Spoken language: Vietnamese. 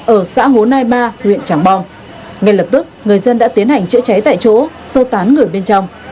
ở xã hồ nai ba huyện trảng bong ngay lập tức người dân đã tiến hành chữa cháy tại chỗ sâu tán người bên trong